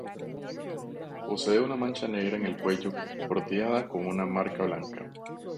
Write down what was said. Posee una mancha negra en el cuello bordeada con una marca blanca.